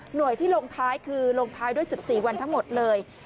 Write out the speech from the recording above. ที่ลงท้ายคือลงท้ายด้วย๑๔วันทั้งหมดเลย